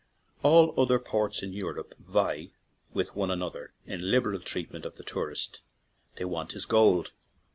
All other ports in Europe vie with one another in liberal treatment of the tourist; they want his gold.